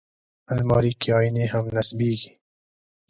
الماري کې آیینې هم نصبېږي